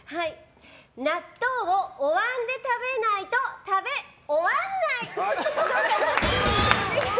納豆をおわんで食べないと食べおワンない！